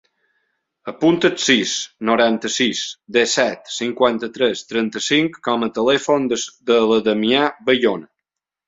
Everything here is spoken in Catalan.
Apunta el sis, noranta-sis, disset, cinquanta-tres, trenta-cinc com a telèfon de la Damià Bayona.